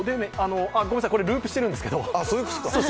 これループしているんですけど。